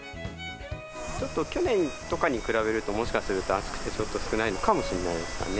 ちょっと去年とかに比べると、もしかすると暑くて、ちょっと少ないのかもしれないですかね。